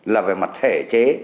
là về mặt thể chế